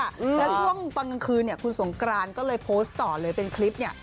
แล้วช่วงตอนกลางคืนเนี่ยคุณสงกรานก็เลยโพสต์ต่อเลยเป็นคลิปเนี่ย